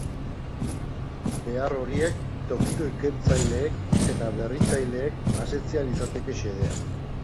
Behar horiek tokiko ikertzaileek eta berritzaileek asetzea litzateke xedea.